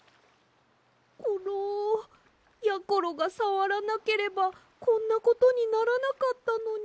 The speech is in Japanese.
コロやころがさわらなければこんなことにならなかったのに。